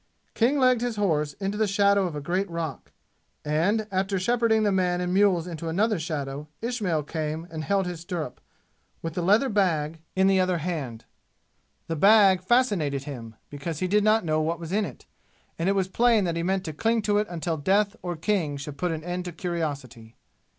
King legged his horse into the shadow of a great rock. And after shepherding the men and mules into another shadow, Ismail came and held his stirrup, with the leather bag in the other hand. The bag fascinated him, because he did not know what was in it, and it was plain that he meant to cling to it until death or King should put an end to curiosity.